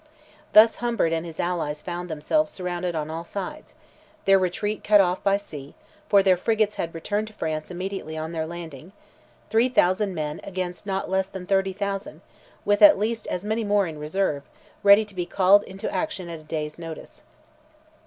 Thus Humbert and his allies found themselves surrounded on all sides—their retreat cut off by sea, for their frigates had returned to France immediately on their landing; three thousand men against not less than thirty thousand, with at least as many more in reserve, ready to be called into action at a day's notice.